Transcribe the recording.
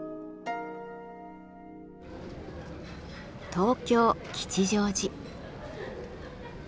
東京・吉祥寺。